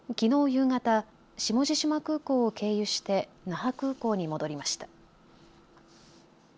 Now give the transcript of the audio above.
夕方下地島空港を経由して那覇空港に戻りました。